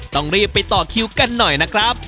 ต้องรีบไปต่อคิวกันหน่อยนะครับ